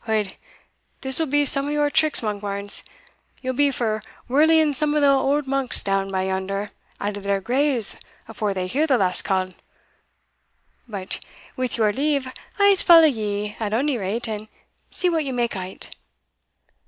Od, this will be some o' your tricks, Monkbarns: ye'll be for whirling some o' the auld monks down by yonder out o' their graves afore they hear the last call but, wi' your leave, I'se follow ye at ony rate, and see what ye mak o't."